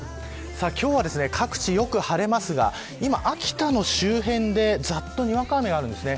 今日は、各地よく晴れますが今、秋田の周辺でざっとにわか雨があります。